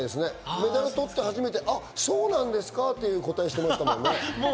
メダル取って初めて、そうなんですか？という答えをしていましたね。